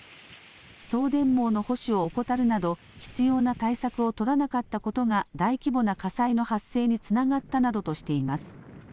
送電網の保守を怠るなど必要な対策を取らなかったことが大規模な火災の発生につながったなどとしています。